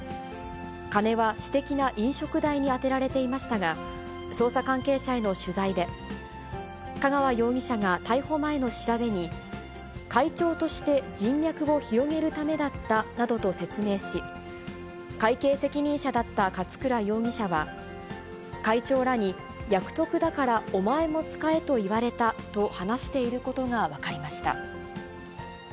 金は私的な飲食代に充てられていましたが、捜査関係者への取材で、香川容疑者が逮捕前の調べに、会長として人脈を広げるためだったなどと説明し、会計責任者だった勝倉容疑者は、会長らに役得だからお前も使えと言われたと話していることが分かりました。